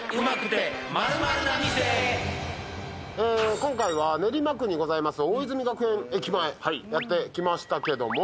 今回は練馬区にございます大泉学園前やってきましたけども。